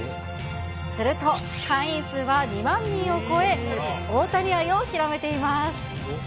すると、会員数は２万人を超え、大谷愛を広めています。